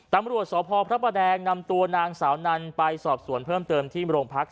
ตำรวจสพพระประแดงนำตัวนางสาวนันไปสอบสวนเพิ่มเติมที่โรงพัก